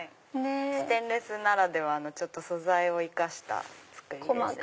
ステンレスならではの素材を生かした作りです。